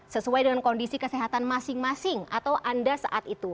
sesuai dengan kondisi kesehatan masing masing atau anda saat itu